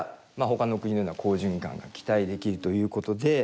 ほかの国のような好循環が期待できるということで。